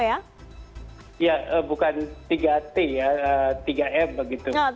ya bukan tiga t ya tiga m begitu